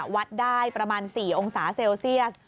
วัดได้ประมาณ๔องศาเซลเซียส